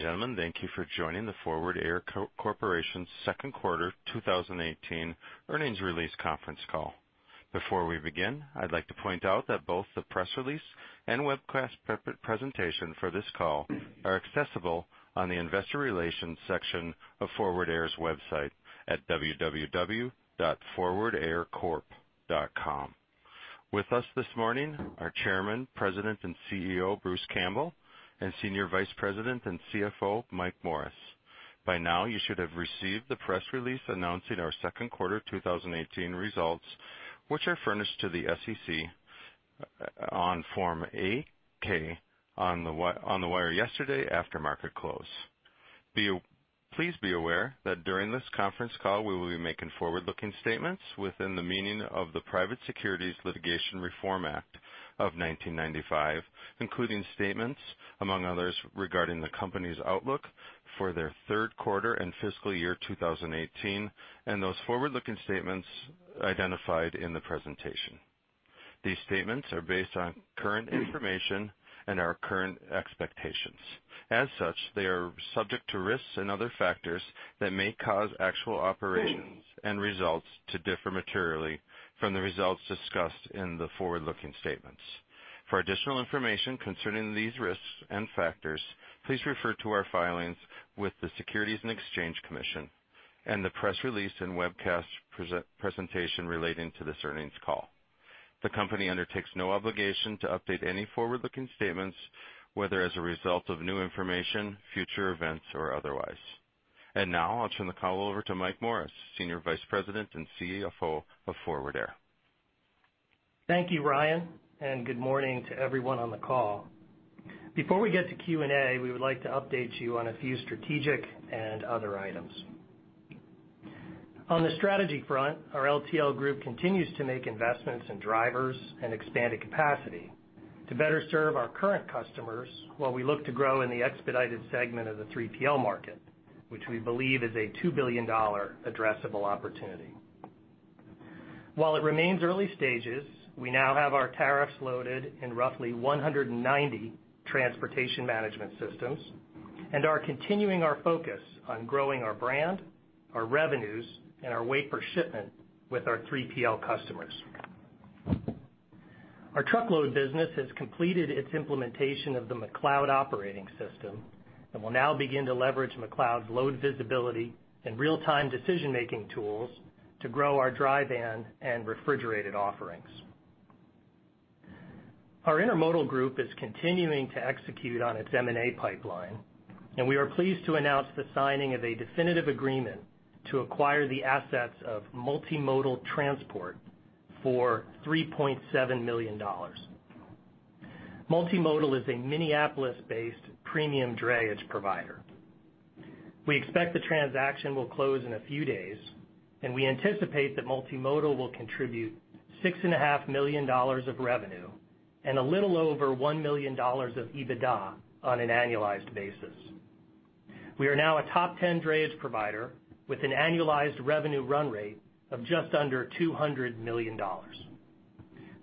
Ladies and gentlemen, thank you for joining the Forward Air Corporation second quarter 2018 earnings release conference call. Before we begin, I'd like to point out that both the press release and webcast presentation for this call are accessible on the investor relations section of Forward Air's website at www.forwardaircorp.com. With us this morning, our Chairman, President, and CEO, Bruce Campbell, and Senior Vice President and CFO, Mike Morris. By now you should have received the press release announcing our second quarter 2018 results, which are furnished to the SEC on Form 8-K on the wire yesterday after market close. Please be aware that during this conference call, we will be making forward-looking statements within the meaning of the Private Securities Litigation Reform Act of 1995, including statements, among others, regarding the company's outlook for their third quarter and fiscal year 2018, and those forward-looking statements identified in the presentation. These statements are based on current information and our current expectations. As such, they are subject to risks and other factors that may cause actual operations and results to differ materially from the results discussed in the forward-looking statements. For additional information concerning these risks and factors, please refer to our filings with the Securities and Exchange Commission and the press release and webcast presentation relating to this earnings call. The company undertakes no obligation to update any forward-looking statements, whether as a result of new information, future events, or otherwise. Now I'll turn the call over to Mike Morris, Senior Vice President and CFO of Forward Air. Thank you, Ryan. Good morning to everyone on the call. Before we get to Q&A, we would like to update you on a few strategic and other items. On the strategy front, our LTL group continues to make investments in drivers and expanded capacity to better serve our current customers while we look to grow in the expedited segment of the 3PL market, which we believe is a $2 billion addressable opportunity. While it remains early stages, we now have our tariffs loaded in roughly 190 transportation management systems and are continuing our focus on growing our brand, our revenues, and our weight per shipment with our 3PL customers. Our truckload business has completed its implementation of the McLeod operating system and will now begin to leverage McLeod's load visibility and real-time decision-making tools to grow our dry van and refrigerated offerings. Our intermodal group is continuing to execute on its M&A pipeline. We are pleased to announce the signing of a definitive agreement to acquire the assets of Multimodal for $3.7 million. Multimodal is a Minneapolis-based premium drayage provider. We expect the transaction will close in a few days. We anticipate that Multimodal will contribute $6.5 million of revenue and a little over $1 million of EBITDA on an annualized basis. We are now a top 10 drayage provider with an annualized revenue run rate of just under $200 million.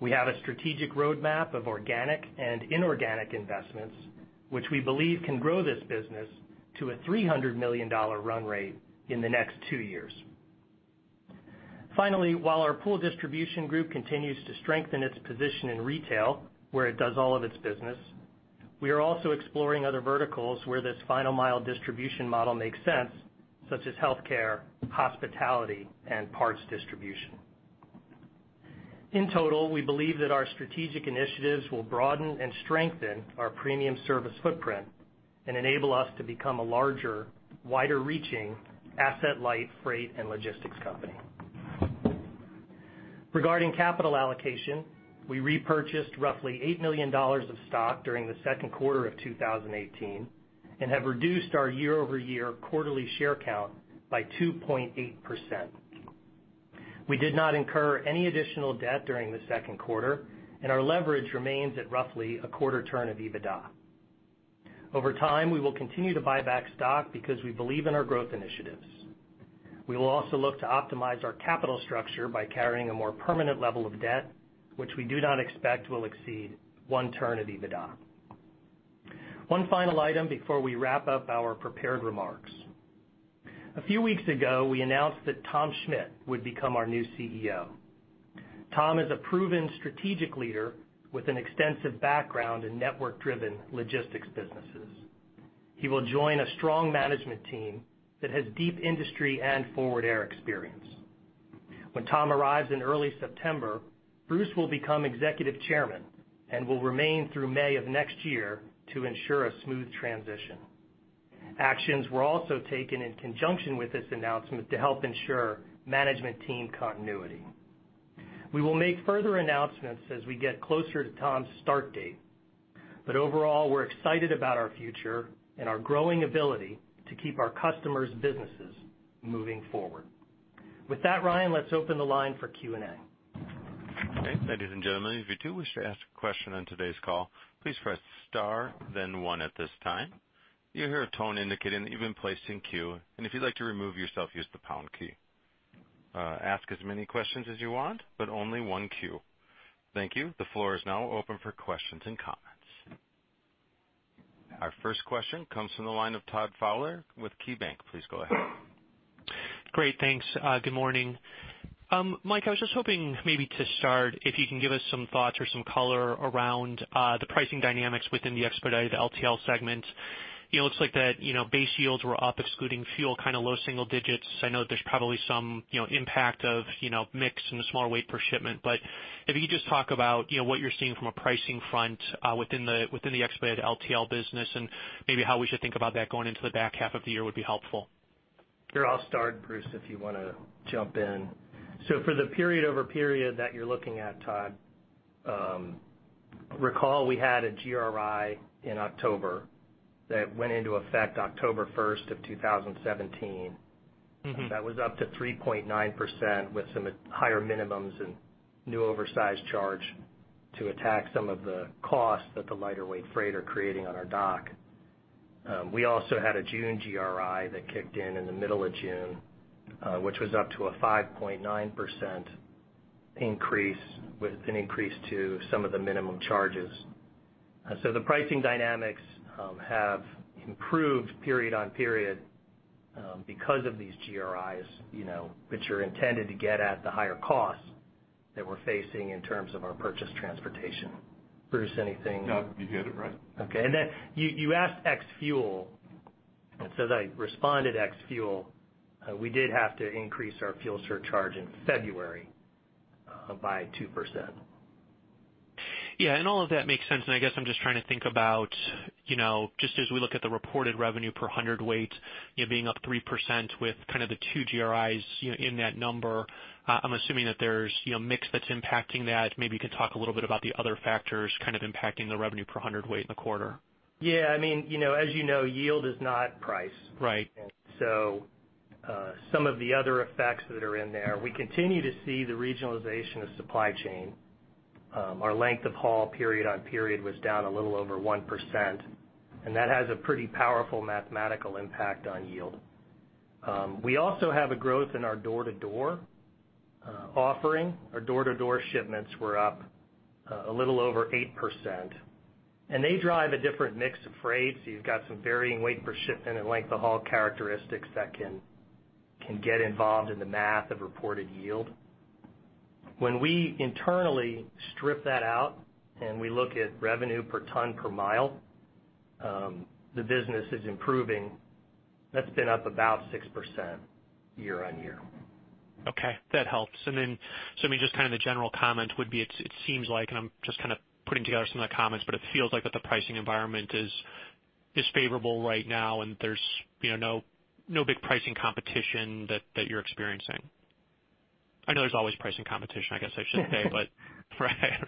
We have a strategic roadmap of organic and inorganic investments, which we believe can grow this business to a $300 million run rate in the next two years. While our pool distribution group continues to strengthen its position in retail, where it does all of its business, we are also exploring other verticals where this final mile distribution model makes sense, such as healthcare, hospitality, and parts distribution. In total, we believe that our strategic initiatives will broaden and strengthen our premium service footprint and enable us to become a larger, wider-reaching asset light freight and logistics company. Regarding capital allocation, we repurchased roughly $8 million of stock during Q2 2018 and have reduced our year-over-year quarterly share count by 2.8%. We did not incur any additional debt during the second quarter, and our leverage remains at roughly a quarter turn of EBITDA. Over time, we will continue to buy back stock because we believe in our growth initiatives. We will also look to optimize our capital structure by carrying a more permanent level of debt, which we do not expect will exceed one turn of EBITDA. One final item before we wrap up our prepared remarks. A few weeks ago, we announced that Tom Schmitt would become our new CEO. Tom is a proven strategic leader with an extensive background in network-driven logistics businesses. He will join a strong management team that has deep industry and Forward Air experience. When Tom arrives in early September, Bruce will become executive chairman and will remain through May of next year to ensure a smooth transition. Actions were also taken in conjunction with this announcement to help ensure management team continuity. We will make further announcements as we get closer to Tom's start date, overall, we're excited about our future and our growing ability to keep our customers' businesses moving forward. With that, Ryan, let's open the line for Q&A. Okay. Ladies and gentlemen, if you do wish to ask a question on today's call, please press star then one at this time. You'll hear a tone indicating that you've been placed in queue, if you'd like to remove yourself, use the pound key Ask as many questions as you want, but only one queue. Thank you. The floor is now open for questions and comments. Our first question comes from the line of Todd Fowler with KeyBanc. Please go ahead. Great. Thanks. Good morning. Mike, I was just hoping maybe to start, if you can give us some thoughts or some color around the pricing dynamics within the expedited LTL segment. It looks like that base yields were up, excluding fuel, low single digits. I know there's probably some impact of mix and the smaller weight per shipment. If you could just talk about what you're seeing from a pricing front within the expedited LTL business, and maybe how we should think about that going into the back half of the year would be helpful. Sure. I'll start, Bruce, if you want to jump in. For the period-over-period that you're looking at, Todd, recall we had a GRI in October that went into effect October 1, 2017. That was up to 3.9% with some higher minimums and new oversized charge to attack some of the costs that the lighter weight freight are creating on our dock. We also had a June GRI that kicked in the middle of June, which was up to a 5.9% increase, with an increase to some of the minimum charges. The pricing dynamics have improved period-on-period because of these GRIs, which are intended to get at the higher costs that we're facing in terms of our purchase transportation. Bruce, anything? No, you hit it right. You asked ex-fuel, as I responded ex-fuel, we did have to increase our fuel surcharge in February by 2%. Yeah. All of that makes sense, I guess I'm just trying to think about, just as we look at the reported revenue per hundred weight being up 3% with the two GRIs in that number, I'm assuming that there's mix that's impacting that. Maybe you could talk a little bit about the other factors impacting the revenue per hundred weight in the quarter. Yeah. As you know, yield is not price. Right. Some of the other effects that are in there, we continue to see the regionalization of supply chain. Our length of haul period-on-period was down a little over 1%, and that has a pretty powerful mathematical impact on yield. We also have a growth in our door-to-door offering. Our door-to-door shipments were up a little over 8%, and they drive a different mix of rates. You've got some varying weight per shipment and length of haul characteristics that can get involved in the math of reported yield. When we internally strip that out and we look at revenue per ton per mile, the business is improving. That's been up about 6% year-on-year. Okay. That helps. Maybe just the general comment would be, it seems like, and I'm just putting together some of the comments, but it feels like that the pricing environment is favorable right now, and there's no big pricing competition that you're experiencing. I know there's always pricing competition, I guess I should say, but right.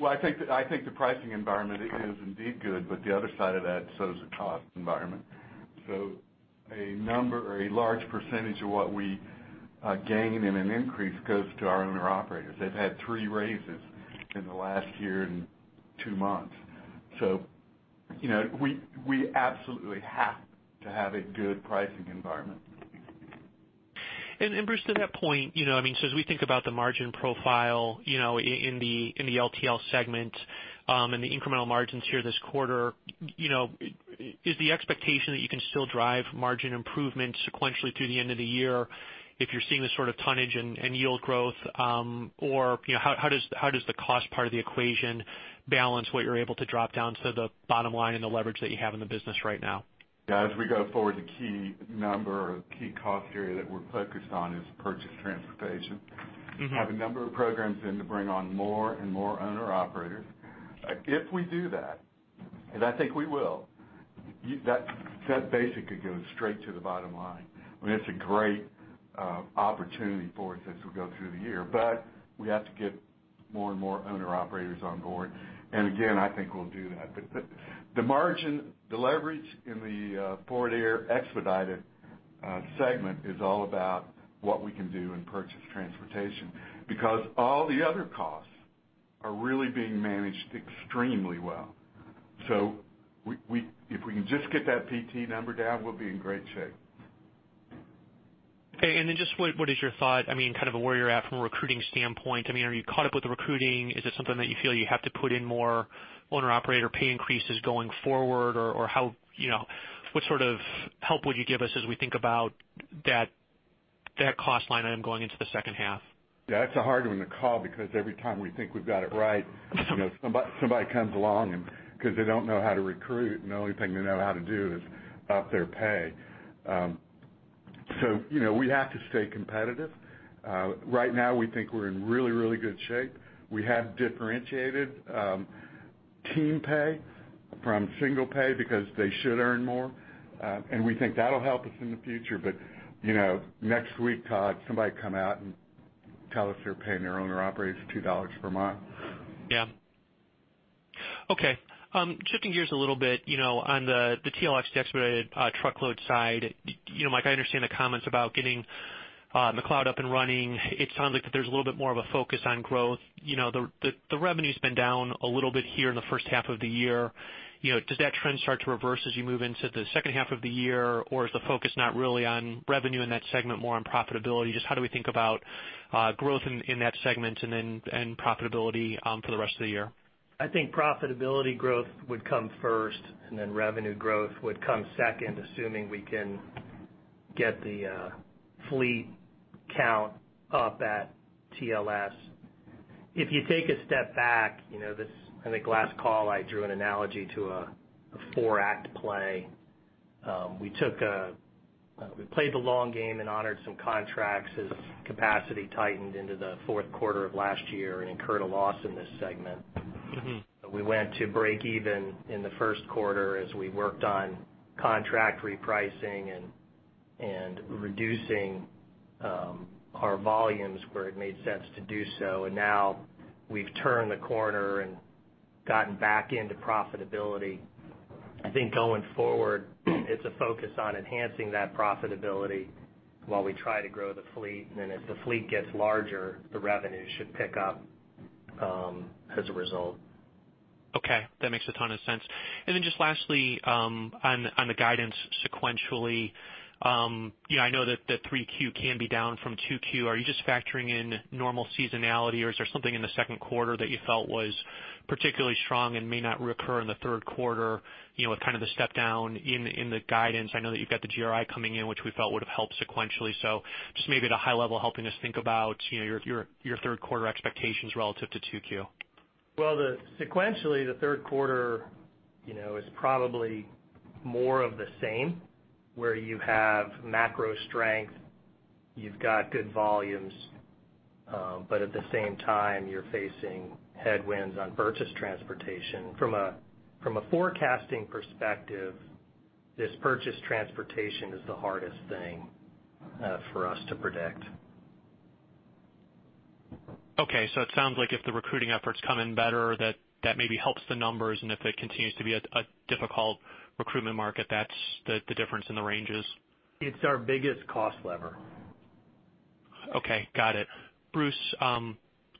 Well, I think the pricing environment is indeed good, but the other side of that, is the cost environment. A large percentage of what we gain in an increase goes to our owner-operators. They've had three raises in the last year and two months. We absolutely have to have a good pricing environment. Bruce, to that point, as we think about the margin profile in the LTL segment, and the incremental margins here this quarter, is the expectation that you can still drive margin improvement sequentially through the end of the year if you're seeing this sort of tonnage and yield growth? Or, how does the cost part of the equation balance what you're able to drop down to the bottom line and the leverage that you have in the business right now? Yeah, as we go forward, the key number or the key cost area that we're focused on is purchase transportation. We have a number of programs in to bring on more and more owner-operators. If we do that, and I think we will, that basically goes straight to the bottom line. It's a great opportunity for us as we go through the year. We have to get more and more owner-operators on board. Again, I think we'll do that. The margin, the leverage in the Forward Air Expedited Segment is all about what we can do in purchase transportation, because all the other costs are really being managed extremely well. If we can just get that PT number down, we'll be in great shape. Okay. Just what is your thought, where you're at from a recruiting standpoint? Are you caught up with the recruiting? Is it something that you feel you have to put in more owner-operator pay increases going forward, or what sort of help would you give us as we think about that cost line item going into the second half? Yeah, it's a hard one to call because every time we think we've got it right, somebody comes along and because they don't know how to recruit, and the only thing they know how to do is up their pay. We have to stay competitive. Right now we think we're in really, really good shape. We have differentiated team pay from single pay because they should earn more. We think that'll help us in the future. Next week, Todd, somebody will come out and tell us they're paying their owner-operators $2 per mile. Yeah. Okay. Shifting gears a little bit on the TLS expedited truckload side. Mike, I understand the comments about getting the cloud up and running. It sounds like that there's a little bit more of a focus on growth. The revenue's been down a little bit here in the first half of the year. Does that trend start to reverse as you move into the second half of the year? Or is the focus not really on revenue in that segment, more on profitability? Just how do we think about growth in that segment and profitability for the rest of the year? I think profitability growth would come first, then revenue growth would come second, assuming we can get the fleet count up at TLS. If you take a step back, I think last call, I drew an analogy to a four-act play. We played the long game and honored some contracts as capacity tightened into the fourth quarter of last year and incurred a loss in this segment. We went to break even in the first quarter as we worked on contract repricing and reducing our volumes where it made sense to do so. Now we've turned the corner and gotten back into profitability. I think going forward, it's a focus on enhancing that profitability while we try to grow the fleet. Then as the fleet gets larger, the revenue should pick up, as a result. Okay. That makes a ton of sense. Then just lastly, on the guidance sequentially, I know that 3Q can be down from 2Q. Are you just factoring in normal seasonality, or is there something in the second quarter that you felt was particularly strong and may not recur in the third quarter, with kind of the step down in the guidance? I know that you've got the GRI coming in, which we felt would have helped sequentially. Just maybe at a high level, helping us think about your third quarter expectations relative to 2Q. Well, sequentially, the third quarter is probably more of the same, where you have macro strength, you've got good volumes. At the same time, you're facing headwinds on purchase transportation. From a forecasting perspective, this purchase transportation is the hardest thing for us to predict. Okay. It sounds like if the recruiting efforts come in better, that maybe helps the numbers, and if it continues to be a difficult recruitment market, that's the difference in the ranges. It's our biggest cost lever. Okay, got it. Bruce,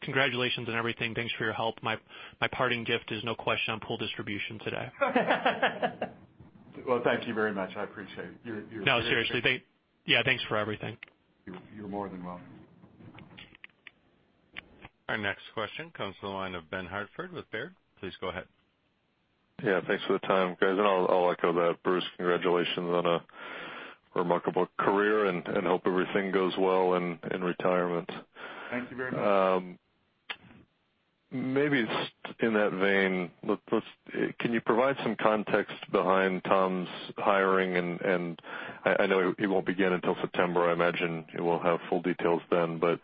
congratulations on everything. Thanks for your help. My parting gift is no question on pool distribution today. Well, thank you very much. I appreciate it. No, seriously. Yeah, thanks for everything. You're more than welcome. Our next question comes from the line of Benjamin Hartford with Baird. Please go ahead. Thanks for the time, guys. I'll echo that. Bruce, congratulations on a remarkable career, and hope everything goes well in retirement. Thank you very much. Maybe it's in that vein. Can you provide some context behind Tom's hiring? I know he won't begin until September. I imagine we'll have full details then, but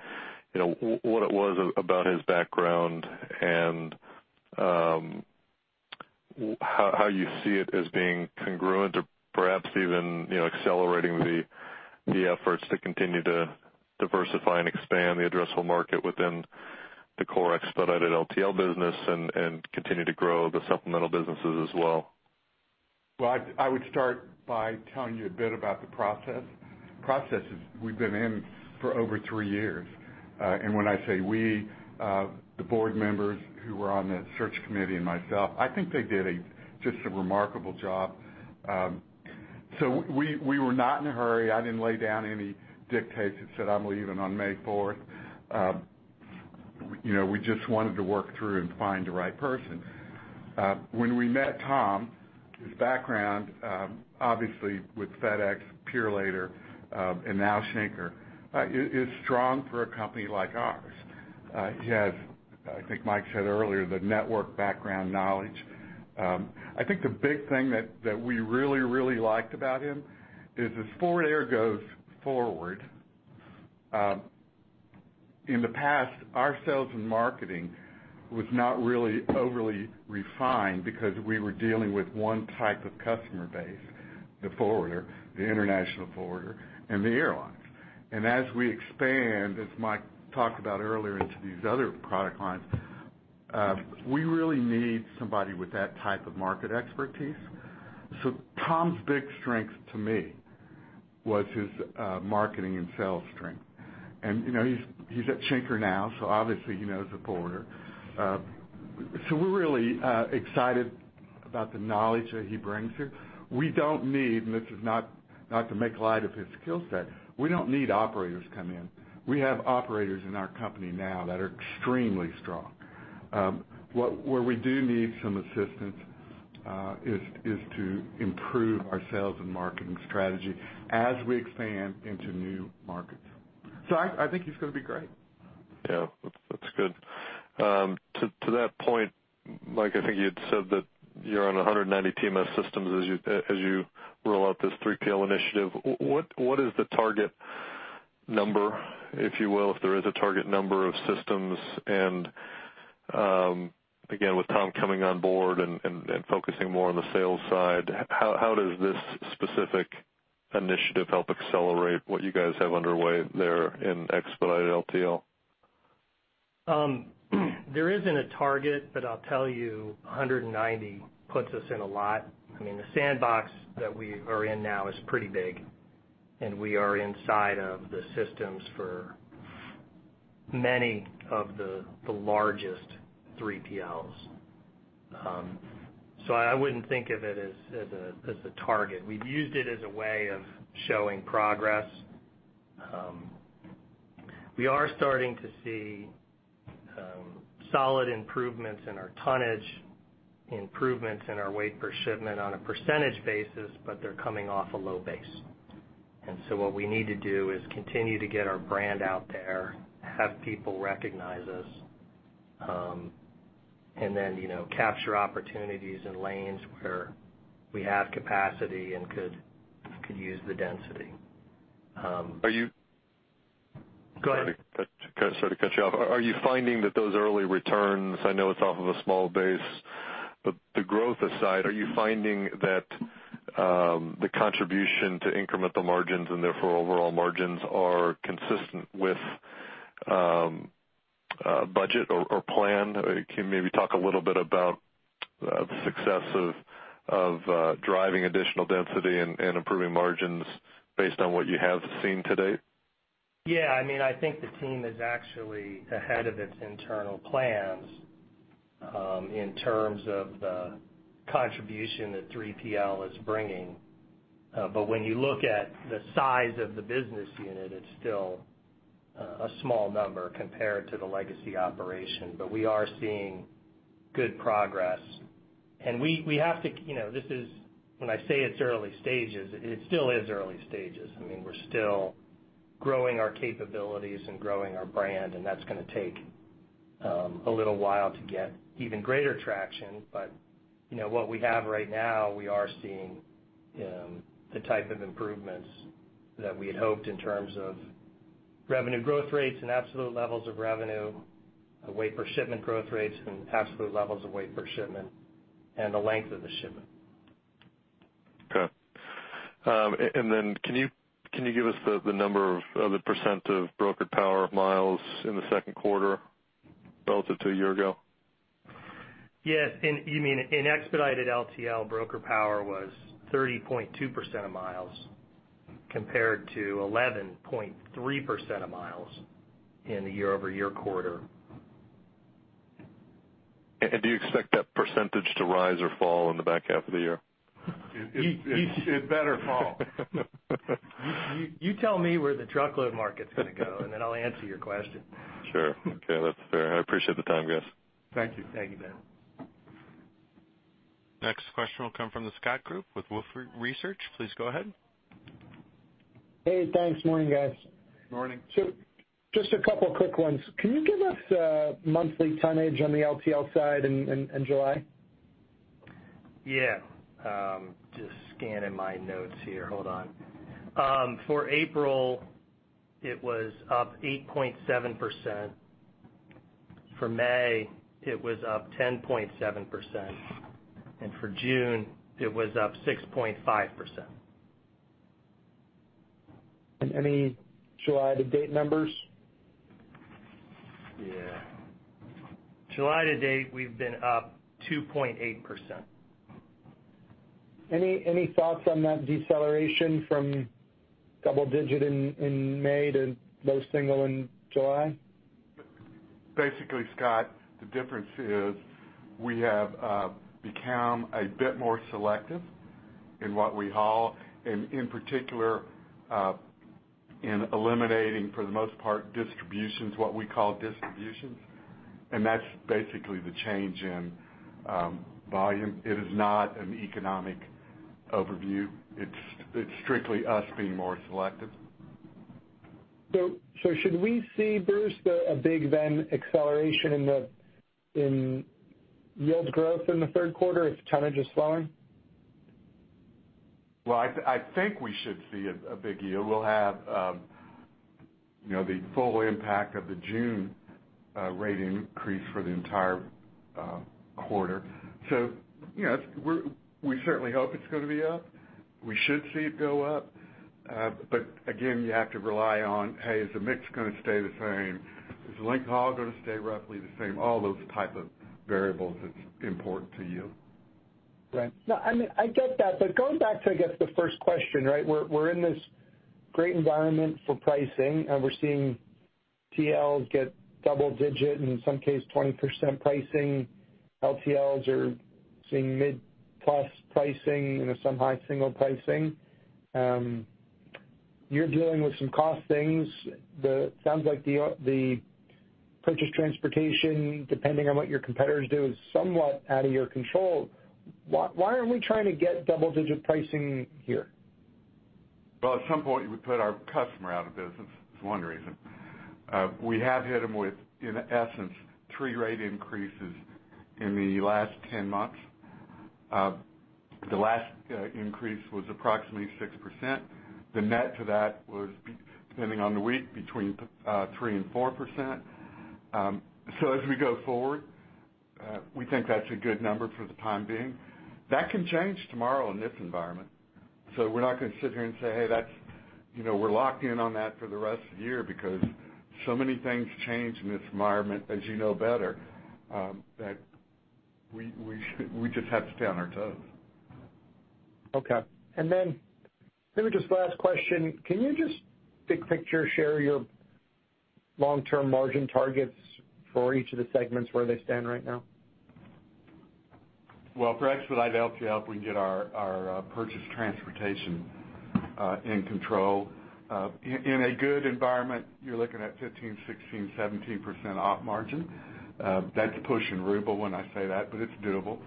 what it was about his background and how you see it as being congruent or perhaps even accelerating the efforts to continue to diversify and expand the addressable market within the core expedited LTL business and continue to grow the supplemental businesses as well. I would start by telling you a bit about the processes we've been in for over three years. When I say we, the board members who were on that search committee and myself. I think they did just a remarkable job. We were not in a hurry. I didn't lay down any dictates that said I'm leaving on May 4th. We just wanted to work through and find the right person. When we met Tom, his background, obviously with FedEx, Purolator, and now Schenker, is strong for a company like ours. He has, I think Mike said earlier, the network background knowledge. I think the big thing that we really, really liked about him is as Forward Air goes forward, in the past, our sales and marketing was not really overly refined because we were dealing with one type of customer base, the forwarder, the international forwarder, and the airlines. As we expand, as Mike talked about earlier, into these other product lines, we really need somebody with that type of market expertise. Tom's big strength to me was his marketing and sales strength. He's at Schenker now, so obviously he knows the forwarder. We're really excited about the knowledge that he brings here. We don't need, and this is not to make light of his skill set, we don't need operators to come in. We have operators in our company now that are extremely strong. Where we do need some assistance, is to improve our sales and marketing strategy as we expand into new markets. I think he's going to be great. Yeah. That's good. To that point, Mike, I think you had said that you're on 190 TMS systems as you roll out this 3PL initiative. What is the target number, if you will, if there is a target number of systems? Again, with Tom coming on board and focusing more on the sales side, how does this specific initiative help accelerate what you guys have underway there in expedited LTL? There isn't a target, I'll tell you, 190 puts us in a lot. The sandbox that we are in now is pretty big, and we are inside of the systems for many of the largest 3PLs. I wouldn't think of it as a target. We've used it as a way of showing progress. We are starting to see solid improvements in our tonnage, improvements in our weight per shipment on a percentage basis, but they're coming off a low base. What we need to do is continue to get our brand out there, have people recognize us, and then capture opportunities in lanes where we have capacity and could use the density. Are you- Go ahead. Sorry to cut you off. Are you finding that those early returns, I know it's off of a small base, but the growth aside, are you finding that the contribution to incremental margins and therefore overall margins are consistent with budget or plan? Can you maybe talk a little bit about the success of driving additional density and improving margins based on what you have seen to date? Yeah. I think the team is actually ahead of its internal plans, in terms of the contribution that 3PL is bringing. When you look at the size of the business unit, it's still a small number compared to the legacy operation. We are seeing good progress. When I say it's early stages, it still is early stages. We're still growing our capabilities and growing our brand, and that's going to take a little while to get even greater traction. What we have right now, we are seeing the type of improvements that we had hoped in terms of revenue growth rates and absolute levels of revenue, weight per shipment growth rates, and absolute levels of weight per shipment, and the length of the shipment. Okay. Can you give us the number of the % of broker power miles in the second quarter relative to a year ago? Yes. In expedited LTL, broker power was 30.2% of miles compared to 11.3% of miles in the year-over-year quarter. Do you expect that % to rise or fall in the back half of the year? It better fall. You tell me where the truckload market's going to go, and then I'll answer your question. Sure. Okay. That's fair. I appreciate the time, guys. Thank you. Thank you, Ben. Next question will come from the Scott Group with Wolfe Research. Please go ahead. Hey, thanks. Morning, guys. Morning. Just a couple quick ones. Can you give us monthly tonnage on the LTL side in July? Yeah. Just scanning my notes here. Hold on. For April, it was up 8.7%. For May, it was up 10.7%, and for June, it was up 6.5%. Any July to date numbers? Yeah. July to date, we've been up 2.8%. Any thoughts on that deceleration from double digit in May to low single in July? Basically, Scott, the difference is we have become a bit more selective in what we haul and in particular, in eliminating, for the most part, distributions, what we call distributions, and that's basically the change in volume. It is not an economic overview. It's strictly us being more selective. Should we see, Bruce, a big acceleration in yield growth in the third quarter if tonnage is slowing? I think we should see a big yield. We'll have the full impact of the June rate increase for the entire quarter. We certainly hope it's going to be up. We should see it go up. Again, you have to rely on, hey, is the mix going to stay the same? Is length of haul going to stay roughly the same? All those type of variables that's important to you. I get that, going back to, I guess, the first question, right? We're in this great environment for pricing, we're seeing TL get double-digit, in some case, 20% pricing. LTLs are seeing mid-plus pricing and some high single pricing. You're dealing with some cost things. It sounds like the purchase transportation, depending on what your competitors do, is somewhat out of your control. Why aren't we trying to get double-digit pricing here? At some point, we put our customer out of business. That's one reason. We have hit them with, in essence, three rate increases in the last 10 months. The last increase was approximately 6%. The net to that was, depending on the week, between 3% and 4%. As we go forward We think that's a good number for the time being. That can change tomorrow in this environment. We're not going to sit here and say, "Hey, we're locked in on that for the rest of the year," because so many things change in this environment, as you know better, that we just have to stay on our toes. Okay. Maybe just last question, can you just big picture share your long-term margin targets for each of the segments where they stand right now? Well, for Expedited LTL, if we can get our purchase transportation in control. In a good environment, you're looking at 15%, 16%, 17% op margin. That's pushing Ruble when I say that, but it's doable.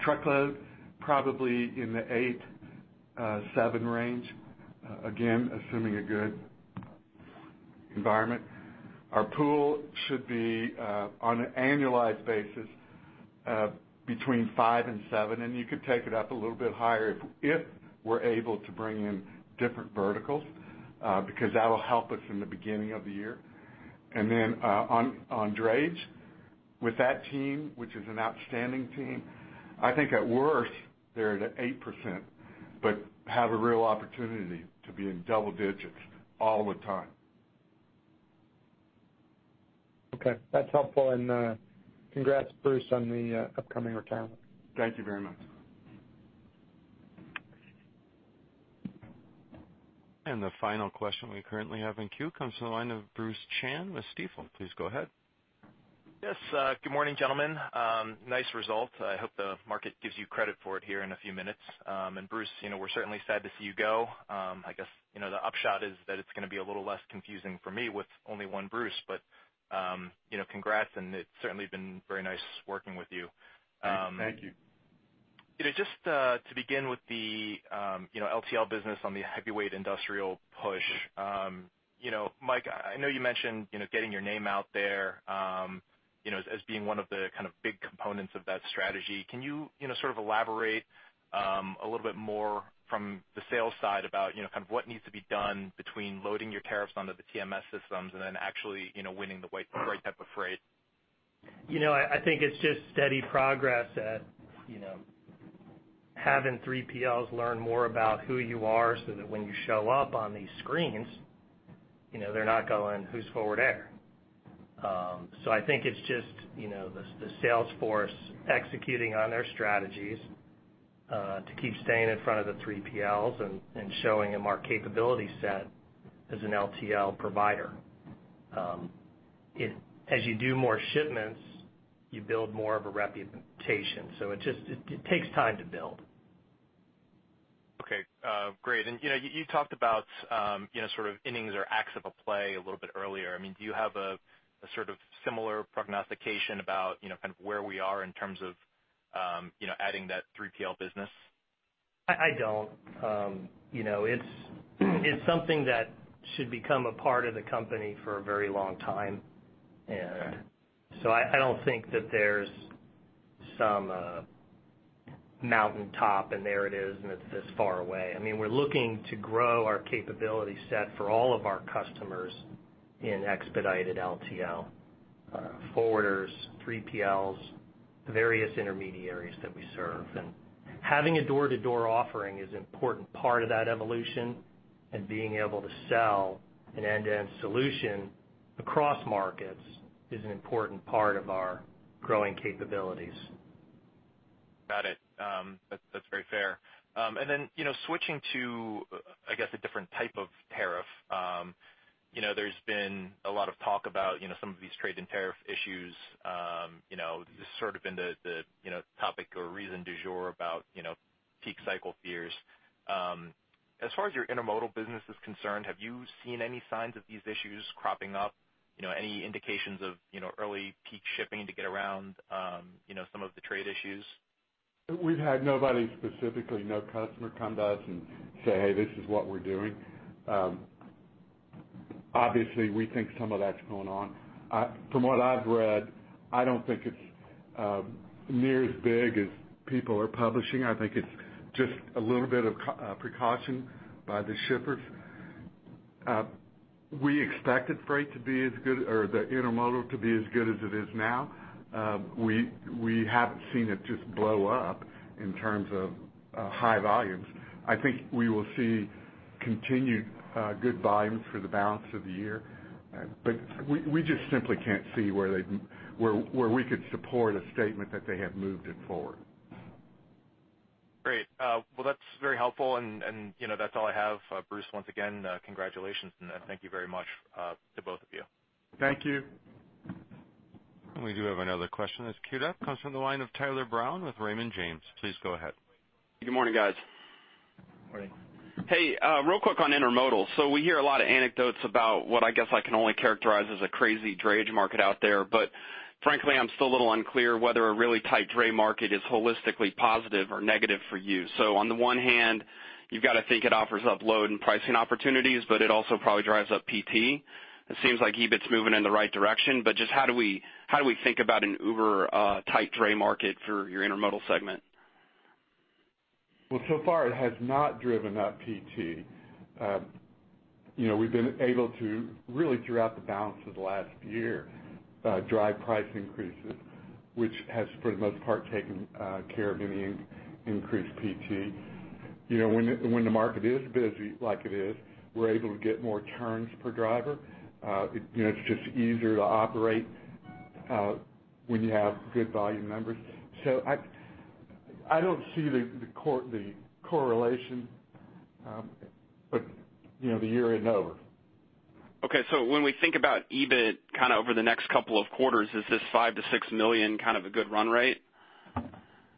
Truckload, probably in the eight, seven range, again, assuming a good environment. Our pool should be, on an annualized basis, between five and seven, and you could take it up a little bit higher if we're able to bring in different verticals, because that'll help us in the beginning of the year. On drayage, with that team, which is an outstanding team, I think at worst, they're at 8%, but have a real opportunity to be in double digits all the time. Okay, that's helpful. Congrats, Bruce, on the upcoming retirement. Thank you very much. The final question we currently have in queue comes from the line of Bruce Chan with Stifel. Please go ahead. Yes. Good morning, gentlemen. Nice result. I hope the market gives you credit for it here in a few minutes. Bruce, we're certainly sad to see you go. I guess, the upshot is that it's going to be a little less confusing for me with only one Bruce, congrats, it's certainly been very nice working with you. Thank you. Just to begin with the LTL business on the heavyweight industrial push. Mike, I know you mentioned getting your name out there, as being one of the big components of that strategy. Can you sort of elaborate a little bit more from the sales side about, kind of what needs to be done between loading your tariffs onto the TMS systems then actually winning the right type of freight? I think it's just steady progress at having 3PLs learn more about who you are so that when you show up on these screens, they're not going, "Who's Forward Air?" I think it's just the sales force executing on their strategies, to keep staying in front of the 3PLs and showing them our capability set as an LTL provider. As you do more shipments, you build more of a reputation. It takes time to build. Okay. Great. You talked about innings or acts of a play a little bit earlier. Do you have a sort of similar prognostication about where we are in terms of adding that 3PL business? I don't. It's something that should become a part of the company for a very long time. Okay. I don't think that there's some mountaintop, and there it is, and it's this far away. We're looking to grow our capability set for all of our customers in expedited LTL. Forwarders, 3PLs, the various intermediaries that we serve. Having a door-to-door offering is an important part of that evolution, and being able to sell an end-to-end solution across markets is an important part of our growing capabilities. Got it. That's very fair. Switching to, I guess, a different type of tariff. There's been a lot of talk about some of these trade and tariff issues, sort of been the topic or raison d'être about peak cycle fears. As far as your intermodal business is concerned, have you seen any signs of these issues cropping up? Any indications of early peak shipping to get around some of the trade issues? We've had nobody specifically, no customer come to us and say, "Hey, this is what we're doing." Obviously, we think some of that's going on. From what I've read, I don't think it's near as big as people are publishing. I think it's just a little bit of precaution by the shippers. We expected the intermodal to be as good as it is now. We haven't seen it just blow up in terms of high volumes. I think we will see continued good volumes for the balance of the year. We just simply can't see where we could support a statement that they have moved it forward. Great. Well, that's very helpful, and that's all I have. Bruce, once again, congratulations, and thank you very much to both of you. Thank you. We do have another question that's queued up. Comes from the line of Tyler Brown with Raymond James. Please go ahead. Good morning, guys. Morning. Hey, real quick on intermodal. We hear a lot of anecdotes about what I guess I can only characterize as a crazy drayage market out there. Frankly, I'm still a little unclear whether a really tight dray market is holistically positive or negative for you. On the one hand, you've got to think it offers up load and pricing opportunities, but it also probably drives up PT. It seems like EBIT's moving in the right direction, but just how do we think about an uber tight dray market for your intermodal segment? Well, so far it has not driven up PT. We've been able to, really throughout the balance of the last year, drive price increases, which has, for the most part, taken care of any increased PT. When the market is busy like it is, we're able to get more turns per driver. It's just easier to operate when you have good volume numbers. I don't see the correlation. The year isn't over. Okay. When we think about EBIT over the next couple of quarters, is this $5 million-$6 million a good run rate?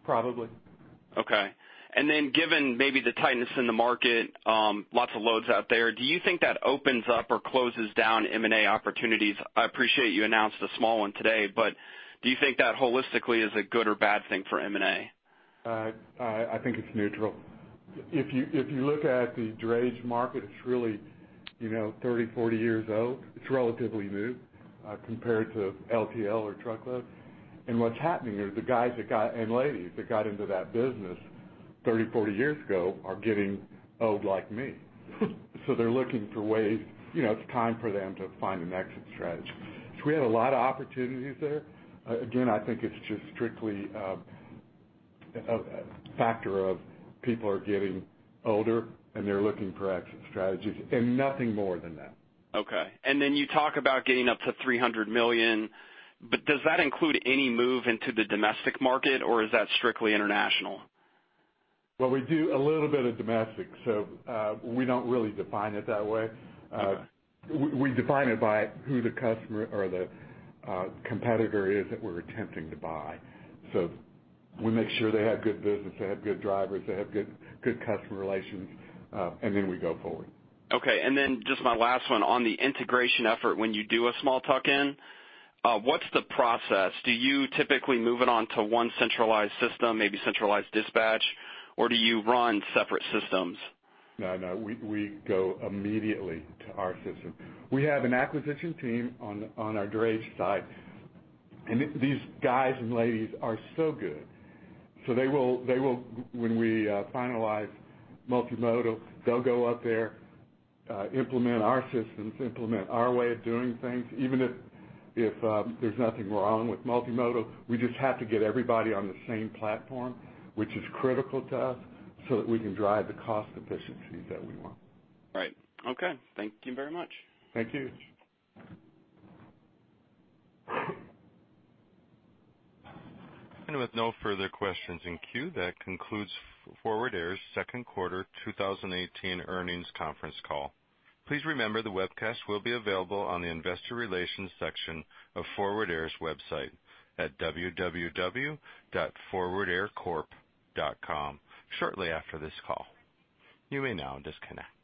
Probably. Okay. Given maybe the tightness in the market, lots of loads out there, do you think that opens up or closes down M&A opportunities? I appreciate you announced a small one today, do you think that holistically is a good or bad thing for M&A? I think it's neutral. If you look at the drayage market, it's really 30, 40 years old. It's relatively new compared to LTL or truckload. What's happening there, the guys and ladies that got into that business 30, 40 years ago are getting old like me. They're looking for ways, it's time for them to find an exit strategy. We have a lot of opportunities there. Again, I think it's just strictly a factor of people are getting older, they're looking for exit strategies and nothing more than that. Okay. You talk about getting up to $300 million, does that include any move into the domestic market, is that strictly international? Well, we do a little bit of domestic, so we don't really define it that way. Okay. We define it by who the customer or the competitor is that we're attempting to buy. We make sure they have good business, they have good drivers, they have good customer relations, and then we go forward. Okay. Just my last one. On the integration effort, when you do a small tuck-in, what's the process? Do you typically move it onto one centralized system, maybe centralized dispatch, or do you run separate systems? No, we go immediately to our system. We have an acquisition team on our drayage side, and these guys and ladies are so good. They will, when we finalize Multimodal, they'll go up there, implement our systems, implement our way of doing things. Even if there's nothing wrong with Multimodal, we just have to get everybody on the same platform, which is critical to us so that we can drive the cost efficiencies that we want. Right. Okay. Thank you very much. Thank you. With no further questions in queue, that concludes Forward Air's second quarter 2018 earnings conference call. Please remember the webcast will be available on the investor relations section of Forward Air's website at www.forwardaircorp.com shortly after this call. You may now disconnect.